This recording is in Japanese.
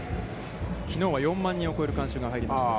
きのうは４万人を超える観衆が入りました。